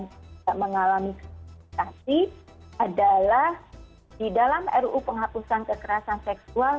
tidak mengalami kriminalisasi adalah di dalam ruu penghapusan kekerasan seksual